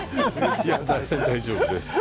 大丈夫です。